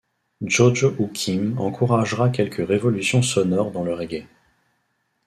Jo Jo Hoo Kim encouragera quelques révolutions sonores dans le reggae.